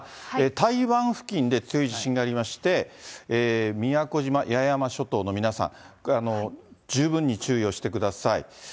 台湾付近で強い地震がありまして、宮古島、八重山諸島の皆さん、十分に注意をしてください。